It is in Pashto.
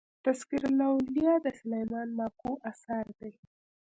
تذکرة الاولياء د سلېمان ماکو اثر دئ.